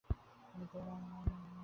আমি তার সাথে দেখা করার ওয়াদা করেছি।